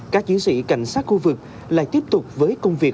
các chiến sĩ cảnh sát khu vực lại tiếp tục với công việc